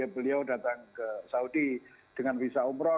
beliau datang ke saudi dengan visa umroh